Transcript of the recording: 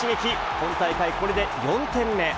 本大会、これで４点目。